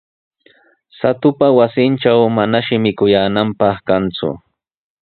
Shatupa wasintraw manashi mikuyaananpaq kanku.